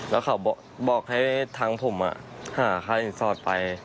แล้วเขาบอกให้ทางผมหาค่าสินสอดไป